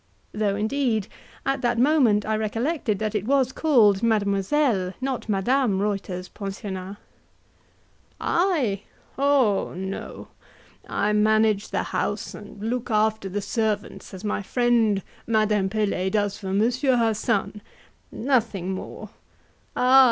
Though, indeed, at that moment I recollected that it was called Mademoiselle, not Madame Reuter's pensionnat. "I! Oh, no! I manage the house and look after the servants, as my friend Madame Pelet does for Monsieur her son nothing more. Ah!